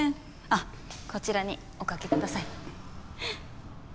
あっこちらにお掛けください。